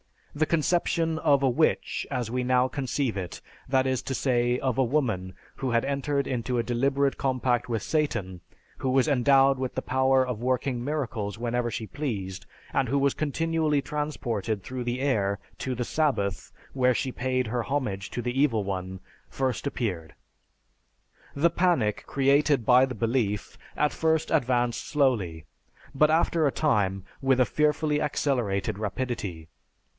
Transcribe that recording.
The conception of a witch, as we now conceive it, that is to say of a woman who had entered into a deliberate compact with Satan, who was endowed with the power of working miracles whenever she pleased, and who was continually transported through the air to the Sabbath, where she paid her homage to the Evil One first appeared. The panic created by the belief at first advanced slowly, but after a time with a fearfully accelerated rapidity.